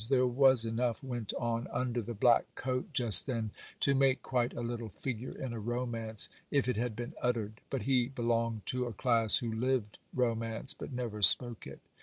There was enough went on under the black coat just then to make quite a little figure in a romance if it had been uttered; but he belonged to a class who lived romance, but never spoke it.